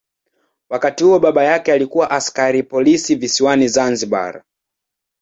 Wakati huo baba yake alikuwa askari polisi visiwani Zanzibar.